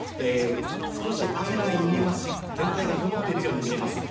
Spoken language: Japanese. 少し雨も見えますし、全体が曇っているように見えます。